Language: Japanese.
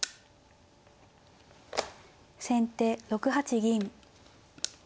先手６八銀。